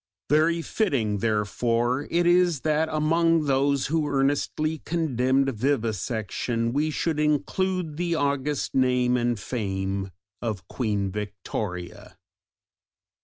Very fitting therefore it is that among those who earnestly condemned vivisection we should include the august name and fame of Queen Victoria.